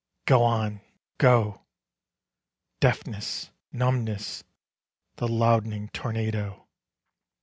Go on. Go. Deafness. Numbness. The loudening tornado.